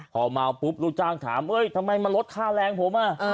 พอเมาปุ๊บลูกจ้างถามทำไมมาลดค่าแรงผม